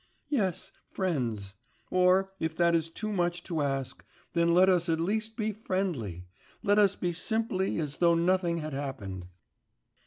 'Yes, friends ... or if that is too much to ask, then let us at least be friendly.... Let us be simply as though nothing had happened.